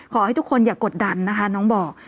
ขอให้ทุกคนอย่ากดดันนะคะน้องบอก